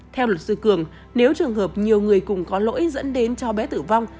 theo luật sư cường nếu trường hợp nhiều người cùng có lỗi dẫn đến cháu bé tử vong